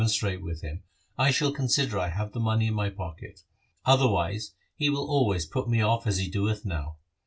LIFE OF GURU HAR GOBIND 45 strate with him, I shall consider I have the money in my pocket. Otherwise, he will always put me off as he doeth now.'